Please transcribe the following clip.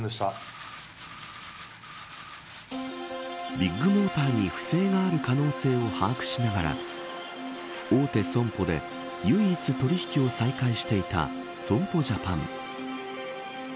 ビッグモーターに不正がある可能性を把握しながら大手損保で、唯一取引を再開していた損保ジャパン。